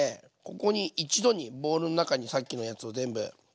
ここに一度にボウルの中にさっきのやつを全部入れていきます。